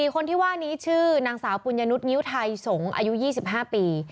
คนที่ว่านี้ชื่อนางสาวปุญญนุษยิ้วไทยสงศ์อายุ๒๕ปี